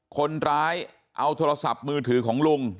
คนร้ายเอาโทรศัพท์มือถือของลุง